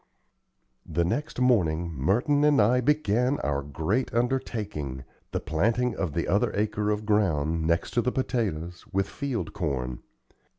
The next morning Merton and I began our great undertaking the planting of the other acre of ground, next to the potatoes, with field corn.